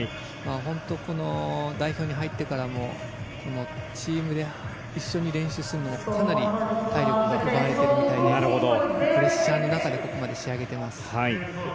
代表に入ってからもチームで一緒に練習するのがかなり体力が奪われてるみたいでプレッシャーの中でここまで仕上げています。